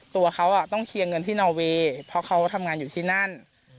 ตัวเขาต้องเคลียร์เงินที่นอเวย์เพราะเขาทำงานอยู่ที่นั่น